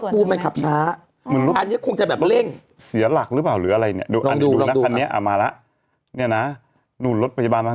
ปึ้งเข้าไปเลย